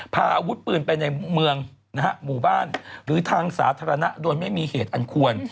พาอาวุธปืนไปในเมืองหมู่บ้านหรือทางสาธารณะโดยไม่มีเหตุอันควร